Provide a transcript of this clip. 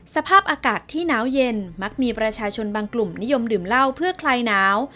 สภาพอากาศที่หนาวเย็นมักมีประชาชนบางกลุ่มนิยมดื่มเหล้าเพื่อคลายหนาว